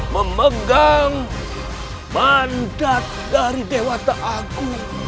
memegang mandat dari dewa ta'agu